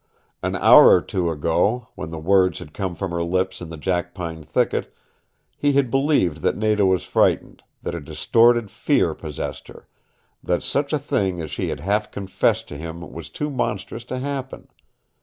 An hour or two ago, when the words had come from her lips in the jackpine thicket, he had believed that Nada was frightened, that a distorted fear possessed her, that such a thing as she had half confessed to him was too monstrous to happen.